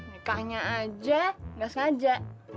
nikahnya aja gak sengaja